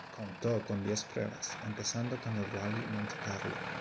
Contó con diez pruebas, empezando en el Rallye Monte Carlo.